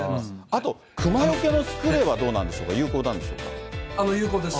あとクマよけのスプレーはどうなんでしょう、有効です。